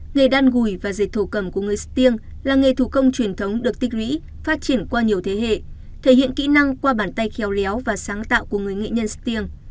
nghề đan gùi và dệt thổ cầm của người stiêng là nghề thủ công truyền thống được tích lũy phát triển qua nhiều thế hệ thể hiện kỹ năng qua bàn tay khéo léo và sáng tạo của người nghệ nhân stiêng